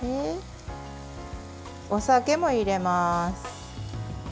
お酒も入れます。